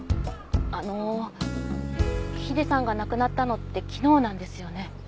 あのヒデさんが亡くなったのって昨日なんですよね？